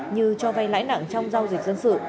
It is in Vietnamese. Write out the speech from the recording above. như cho vay lãi nặng trong giao dịch dân sự